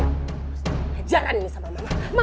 harus diajaran ini sama mama